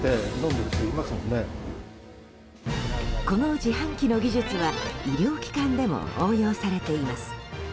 この自販機の技術は医療機関でも応用されています。